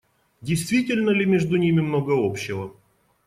Действительно ли между ними много общего?